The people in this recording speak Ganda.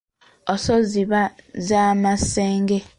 Ezo ziba za masenga.